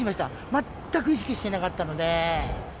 全く意識してなかったので。